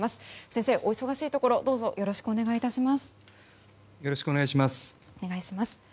先生、お忙しいところどうぞよろしくお願い致します。